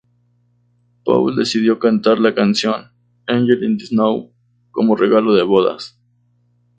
Paul decidió cantar la canción "Angel In The Snow" como regalo de bodas.